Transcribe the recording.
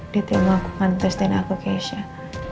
dia temukan tersedia aku ke aisyah